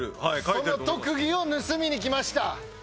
その特技を盗みにきました。